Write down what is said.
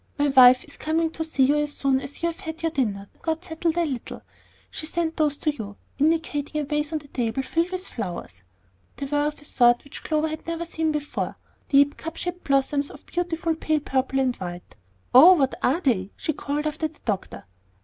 My wife is coming to see you as soon as you have had your dinner and got settled a little. She sent those to you," indicating a vase on the table, filled with flowers. They were of a sort which Clover had never seen before, deep cup shaped blossoms of beautiful pale purple and white. "Oh, what are they?" she called after the doctor.